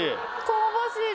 香ばしい？